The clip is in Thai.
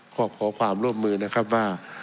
ขอความร่วมมือนะครับว่า